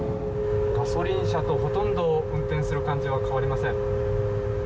ガソリン車とほとんど運転する感じは変わりません。